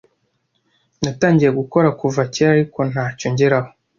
natangiye gukora kuva kera ariko ntacyo ngeraho